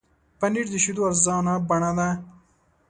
پنېر د شیدو ارزانه بڼه ده.